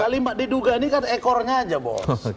kalimat diduga ini kan ekornya aja bos